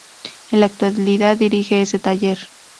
En la actualidad dirige ese taller.